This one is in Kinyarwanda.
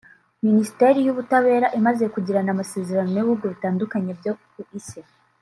Minisiteri y’Ubutabera imaze kugirana amasezerano n’ibihugu bitandukanye byo ku isi